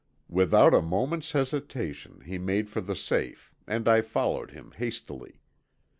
Without a moment's hesitation he made for the safe and I followed him hastily.